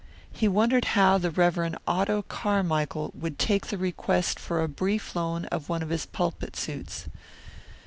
He wondered how the Rev. Otto Carmichael would take the request for a brief loan of one of his pulpit suits.